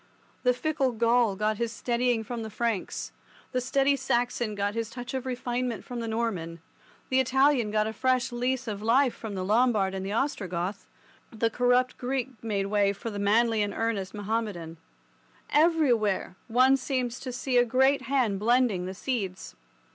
The fickle Gaul got his steadying from the Franks, the steady Saxon got his touch of refinement from the Norman, the Italian got a fresh lease of life from the Lombard and the Ostrogoth, the corrupt Greek made way for the manly and earnest Mahommedan. Everywhere one seems to see a great hand blending the seeds.